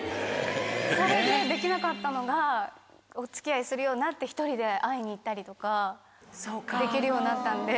それでできなかったのがお付き合いするようになって１人で会いに行ったりとかできるようになったんで。